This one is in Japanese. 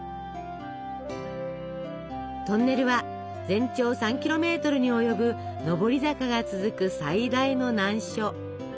トンネルは全長３キロメートルに及ぶ上り坂が続く最大の難所。